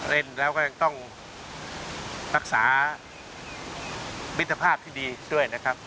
เล่นแล้วก็ต้องตรักษาพิธภาพได้ดีด้วยนะครับ